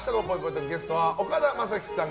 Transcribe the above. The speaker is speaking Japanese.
トークゲストは岡田将生さん